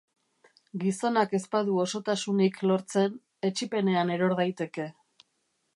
Gizonak ez badu osotasunik lortzen, etsipenean eror daiteke.